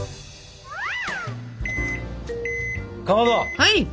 はい！